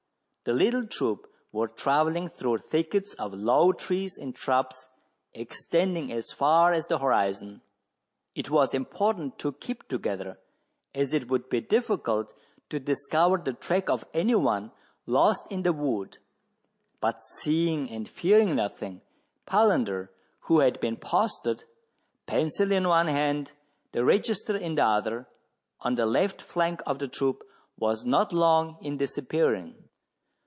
The little troop were travelling through thickets of low trees and shrubs, extending as far as the horizon. It was important to keep together, as it would be difficult to discover the track of any one lost in the wood. But seeing and fearing nothing, Palander, who had been posted, pencil in one hand, the register in the other, on the left flank of the troop, was not long in disappearing.